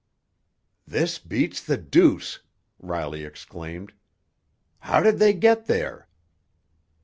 "This beats the deuce!" Riley exclaimed. "How did they get there?"